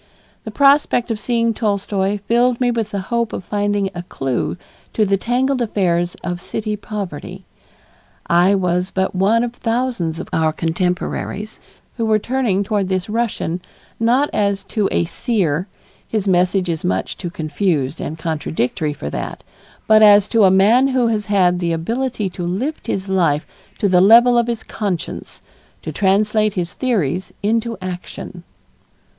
The prospect of seeing Tolstoy filled me with the hope of finding a clue to the tangled affairs of city poverty. I was but one of thousands of our contemporaries who were turning toward this Russian, not as to a seer his message is much too confused and contradictory for that but as to a man who has had the ability to lift his life to the level of his conscience, to translate his theories into action.